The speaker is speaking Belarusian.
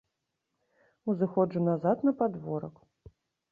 Узыходжу назад на падворак.